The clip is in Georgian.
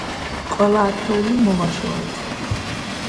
ყველა ათეული მოვაშორეთ.